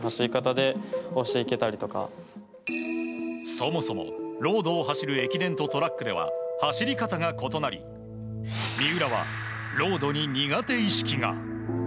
そもそも、ロードを走る駅伝とトラックでは走り方が異なり三浦はロードに苦手意識が。